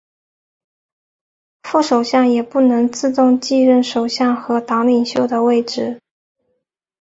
副首相也不能自动继任首相和党领袖的位置。